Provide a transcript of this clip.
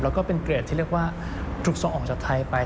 แล้วก็เป็นเกรดที่เรียกว่าถูกส่งออกจากไทยไป